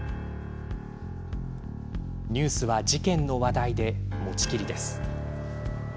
ニュースは事件の話題で持ちきり。